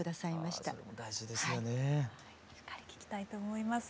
しっかり聴きたいと思います。